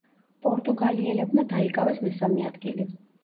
პორტუგალიელებმა დაიკავეს მესამე ადგილი.